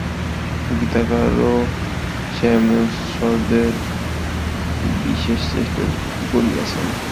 গীতাকার এই সামঞ্জস্যের বিশেষ চেষ্টা করিয়াছেন।